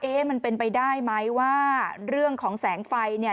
มันเป็นไปได้ไหมว่าเรื่องของแสงไฟเนี่ย